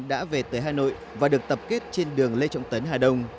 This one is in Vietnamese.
đã về tới hà nội và được tập kết trên đường lê trọng tấn hà đông